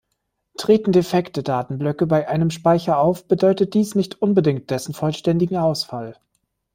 Treten defekte Datenblöcke bei einem Speicher auf, bedeutet dies nicht unbedingt dessen vollständigen Ausfall.